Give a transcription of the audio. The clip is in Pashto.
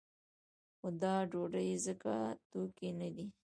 خو دا ډوډۍ ځکه توکی نه دی.